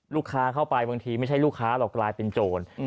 เข้าไปบางทีไม่ใช่ลูกค้าหรอกกลายเป็นโจร